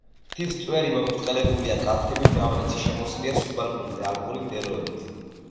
მთის წვერი მობრტყელებულია, კალთები დამრეცი, შემოსილია სუბალპური და ალპური მდელოებით.